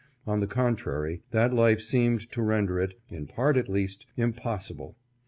On the contrary, that life seemed to render it, in part at least, impossible.